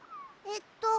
えっと